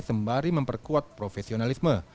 sembari memperkuat profesionalisme